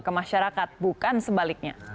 ke masyarakat bukan sebaliknya